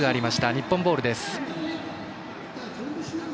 日本ボールです。